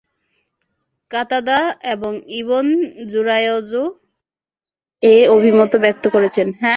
কাতাদা এবং ইবন জুরায়জও এ অভিমত ব্যক্ত করেছেন।